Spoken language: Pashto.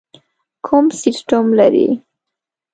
کوم سیسټم لرئ؟